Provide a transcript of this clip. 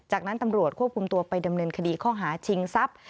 จากนั้นตำรวจควบคุมตัวไปดำเนินคดีข้อหาชิงทรัพย์